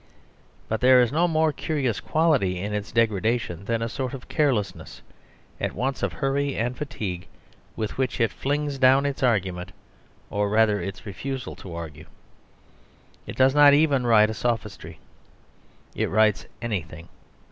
But there is no more curious quality in its degradation than a sort of carelessness, at once of hurry and fatigue, with which it flings down its argument or rather its refusal to argue. It does not even write sophistry: it writes anything.